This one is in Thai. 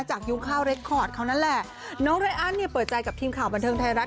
ยุ้งข้าวเรคคอร์ดเขานั่นแหละน้องไรอั้นเนี่ยเปิดใจกับทีมข่าวบันเทิงไทยรัฐ